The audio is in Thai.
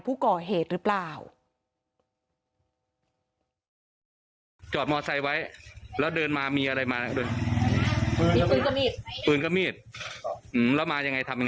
ผู้ก่อเหตุหรือเปล่า